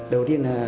đầu tiên là